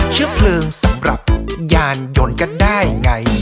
เชื้อเพลิงสำหรับยานยนต์กันได้ไง